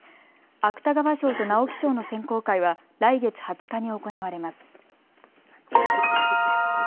芥川賞と直木賞の選考会は来月２０日に行われます。